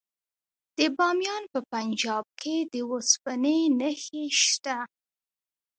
د بامیان په پنجاب کې د وسپنې نښې شته.